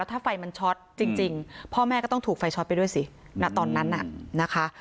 ถ้าไฟมันช็อตจริงพ่อแม่ก็ต้องถูกไฟช็อตไปด้วยสิณตอนนั้นน่ะนะคะ